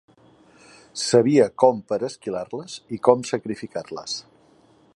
Sabia com per esquilar-les i com sacrificar-les.